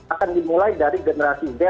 akan dimulai dari generasi z